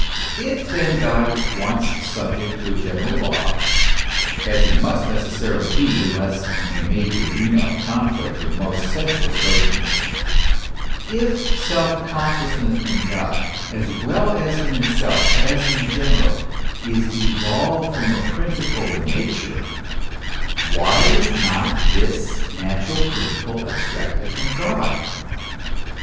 If then God is once subjected to a general law, as he must necessarily be unless he be made the arena of conflict for the most senseless notions, if self consciousness in God as well as in itself, as in general, is evolved from a principle in Nature, why is not this natural principle abstracted from God